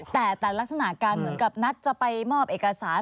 แต่แต่ลักษณะการเหมือนกับนัดจะไปมอบเอกสาร